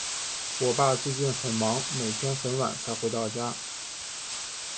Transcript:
我爸最近很忙，每天很晚才回到家。